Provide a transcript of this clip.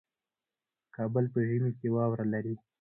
کابل په ژمي کې واوره لري